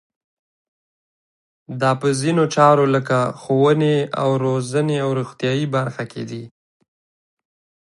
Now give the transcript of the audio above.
دا په ځینو چارو لکه ښوونې او روزنې او روغتیایي برخه کې دي.